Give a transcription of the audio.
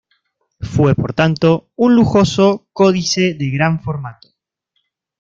Fue, por tanto, un lujoso códice de gran formato.